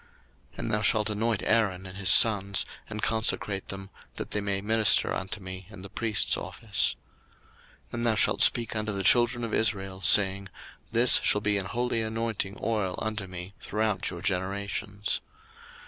02:030:030 And thou shalt anoint Aaron and his sons, and consecrate them, that they may minister unto me in the priest's office. 02:030:031 And thou shalt speak unto the children of Israel, saying, This shall be an holy anointing oil unto me throughout your generations.